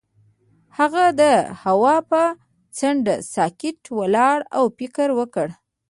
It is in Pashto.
هغه د هوا پر څنډه ساکت ولاړ او فکر وکړ.